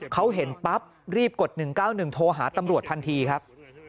เขาเห็นปั๊บรีบกด๑๙๑โทรหาตำรวจทันทีครับ